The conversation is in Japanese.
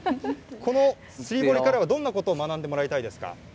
この釣堀からはどんなことを学んでもらいたいですか。